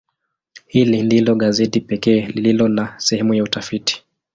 Hili ndilo gazeti pekee lililo na sehemu ya utafiti.